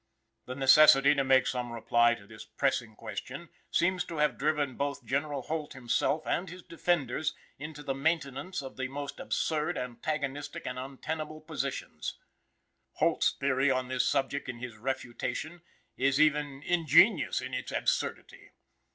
The necessity to make some reply to this pressing question seems to have driven both General Holt himself and his defenders into the maintenance of the most absurd, antagonistic and untenable positions. Holt's theory on this subject in his "Refutation" is even ingenious in its absurdity.